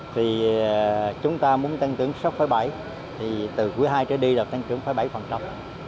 thì chúng ta muốn tăng trưởng sáu bảy thì từ quý ii trở đi là tăng trưởng bảy bảy khoảng trọng